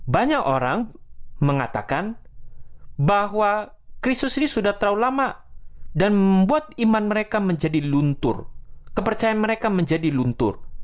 banyak orang mengatakan bahwa kristus ini sudah terlalu lama dan membuat iman mereka menjadi luntur kepercayaan mereka menjadi luntur